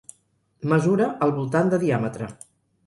Mesura al voltant de diàmetre.